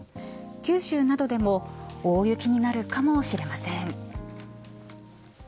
九州などでも大雪になるかもしれません。